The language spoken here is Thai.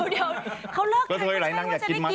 เดี๋ยวเขาเลือกกันแล้วก็ใช่ว่าจะได้กินมั้ย